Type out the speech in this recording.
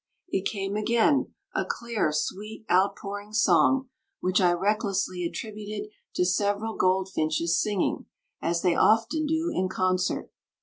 It came again, a clear, sweet, outpouring song, which I recklessly attributed to several goldfinches singing, as they often do, in concert.